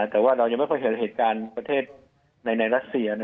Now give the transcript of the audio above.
แต่ว่าเรายังไม่ค่อยเห็นเหตุการณ์ประเทศในรัสเซีย